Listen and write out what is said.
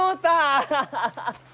アハハハ！